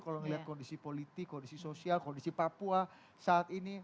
kalau melihat kondisi politik kondisi sosial kondisi papua saat ini